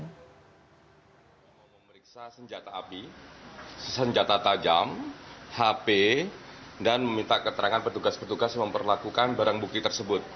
kami ingin tahu apa prosedurnya bagaimana caranya dan bagaimana cara untuk memperbaiki barang bukti tersebut